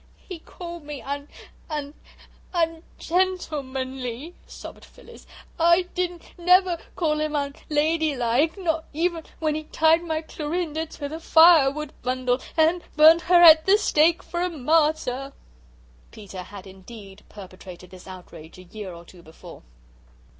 "He called me un un ungentlemanly," sobbed Phyllis. "I didn't never call him unladylike, not even when he tied my Clorinda to the firewood bundle and burned her at the stake for a martyr." Peter had indeed perpetrated this outrage a year or two before.